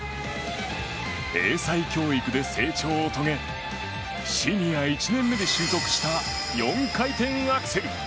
英才教育で成長を遂げシニア１年目で習得した４回転アクセル。